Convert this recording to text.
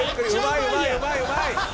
うまいうまいうまい！